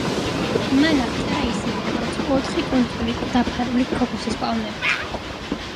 მან აღწერა ისინი, როგორც ოთხი კუნძული დაფარული ქოქოსის პალმებით.